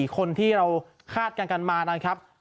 ๔คนที่เราคาดกันกันมานะครับ